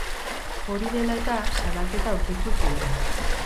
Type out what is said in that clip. Hori dela eta, salaketa aurkeztu zuen.